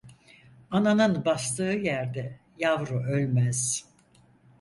Ananın bastığı yerde yavru ölmez.